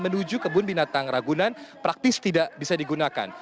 menuju kebun binatang ragunan praktis tidak bisa digunakan